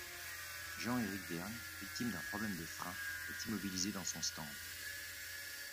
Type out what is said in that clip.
Jean-Éric Vergne, victime d'un problème de freins, est immobilisé dans son stand.